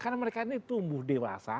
karena mereka ini tumbuh dewasa